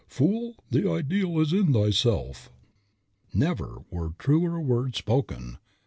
Fool! the ideal is in thyself." Never were truer words spoken.